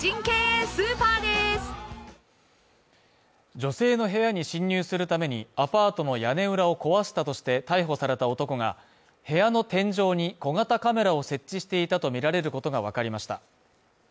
女性の部屋に侵入するために、アパートの屋根裏を壊したとして逮捕された男が部屋の天井に小型カメラを設置していたとみられることがわかりました。